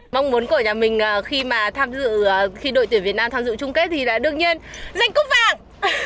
mong muốn của nhà mình khi đội tuyển việt nam tham dự chung kết thì là đương nhiên giành cúp vàng